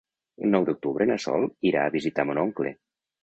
El nou d'octubre na Sol irà a visitar mon oncle.